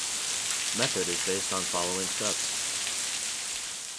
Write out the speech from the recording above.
Method is based on following steps.